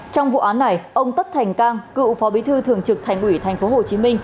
trong vụ án này ông tất thành cang cựu phó bí thư thường trực thành ủy tp hcm